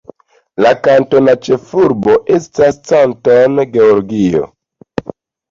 La kantona ĉefurbo estas Canton, Georgio.